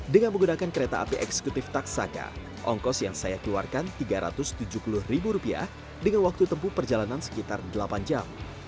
dengan menggunakan kereta api eksekutif taksaka ongkos yang saya keluarkan rp tiga ratus tujuh puluh dengan waktu tempuh perjalanan sekitar delapan jam